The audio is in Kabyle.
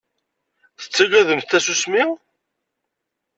Tettaggademt tasusmi?